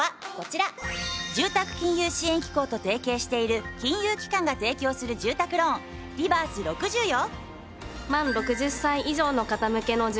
住宅金融支援機構と提携している金融機関が提供する住宅ローンリ・バース６０よ。